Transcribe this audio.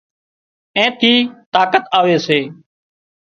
اين ٿي طاقت آوي سي